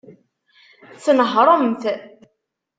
Tnehṛemt.